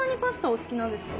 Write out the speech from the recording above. お好きなんですか？